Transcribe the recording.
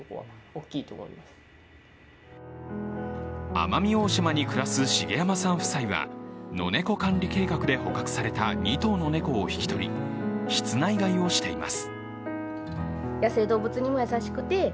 奄美大島に暮らす重山さん夫妻はノネコ管理計画で捕獲された２頭の猫を引き取り室内飼いをしています。